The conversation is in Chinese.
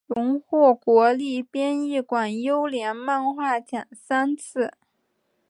荣获国立编译馆优良漫画奖三次。